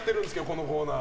このコーナー。